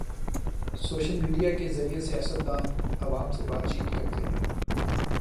Social media کے ذریعے سیاستدان عوام سے بات چیت کرتے ہیں۔